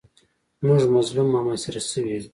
موږ مظلوم او محاصره شوي یو.